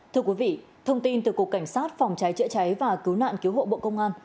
thưa quý vị thông tin từ cục cảnh sát phòng cháy chữa cháy và cứu nạn cứu hộ bộ công an